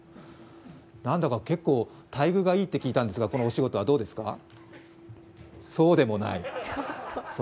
何だか結構、待遇がいいって聞いたんですが、このお仕事は、どうですか？